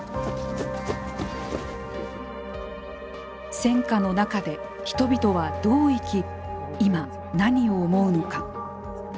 戦火の中で人々はどう生き今、何を思うのか。